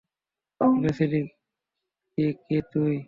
বলছিলি যে কে তুই?